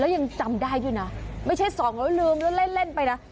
แล้วยังจำได้ด้วยนะไม่ใช่สองแล้วลืมแล้วเล่นไปนะ